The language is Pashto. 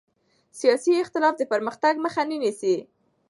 سیاسي اختلاف د پرمختګ مخه نه نیسي